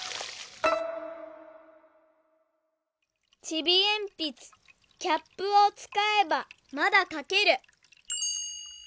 「ちびえんぴつキャップを使えばまだ書ける！」。